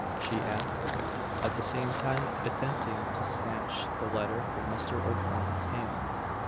she asked, at the same time attempting to snatch the letter from Mr. O'Flinn's hand.